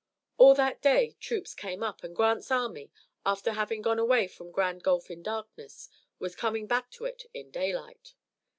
All that day troops came up and Grant's army, after having gone away from Grand Gulf in darkness, was coming back to it in daylight.